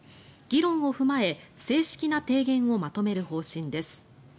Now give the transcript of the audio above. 議論を踏まえ正式な提言をまとめる方針です。